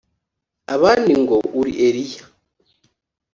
abandi ngo uri Eliya,